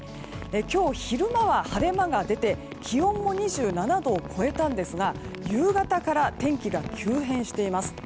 今日、昼間は晴れ間が出て気温も２７度を超えたんですが夕方から天気が急変しています。